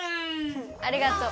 ありがとう。